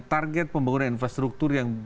target pembangunan infrastruktur yang